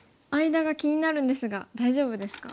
間が気になるんですが大丈夫ですか。